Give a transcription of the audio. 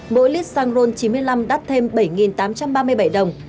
mỗi lít xăng ron chín mươi năm đắt thêm bảy tám trăm ba mươi bảy đồng